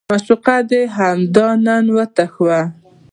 معشوقه دې همدا نن وتښتوه.